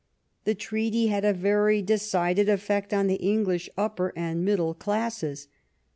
The treaty had a very decided effect on the English upper and middle classes.